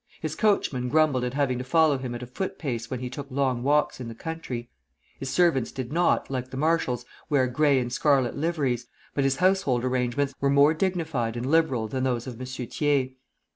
His coachman grumbled at having to follow him at a foot pace when he took long walks into the country. His servants did not, like the marshal's, wear gray and scarlet liveries, but his household arrangements were more dignified and liberal than those of M. Thiers.